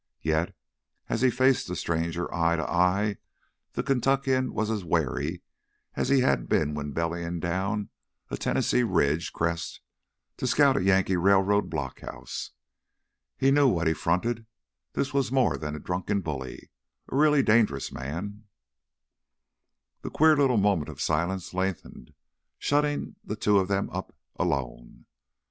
Yet, as he faced the stranger eye to eye, the Kentuckian was as wary as he had been when bellying down a Tennessee ridge crest to scout a Yankee railroad blockhouse. He knew what he fronted; this was more than a drunken bully—a really dangerous man. That queer little moment of silence lengthened, shutting the two of them up—alone.